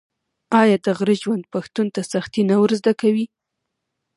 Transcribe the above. آیا د غره ژوند پښتون ته سختي نه ور زده کوي؟